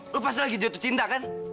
lo pasti lagi jatuh cinta kan